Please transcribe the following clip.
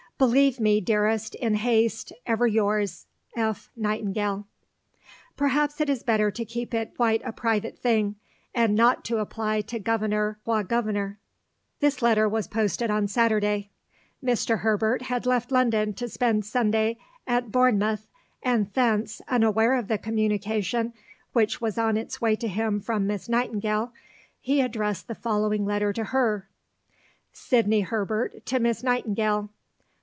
Believe me, dearest, in haste, ever yours, F. NIGHTINGALE. Perhaps it is better to keep it quite a private thing, and not apply to Gov^t. qua Gov^t. This letter was posted on Saturday. Mr. Herbert had left London to spend Sunday at Bournemouth, and thence, unaware of the communication which was on its way to him from Miss Nightingale, he addressed the following letter to her: (_Sidney Herbert to Miss Nightingale.